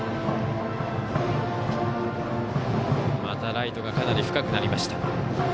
またライトが深くなりました。